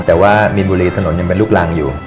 แต่ว่ามีนบุรีถนนยังเป็นลูกรังอยู่